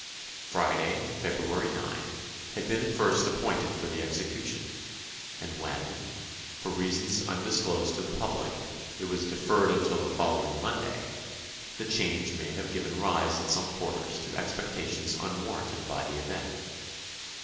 Friday, February 9, had been at first appointed for the execution, and when for reasons undisclosed to the public it was deferred until the following Monday, the change may have given rise in some quarters to expectations unwarranted by the event.